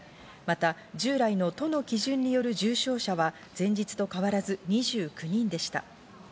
また、従来の都の基準による重症者は前日と変わらず２９人でした。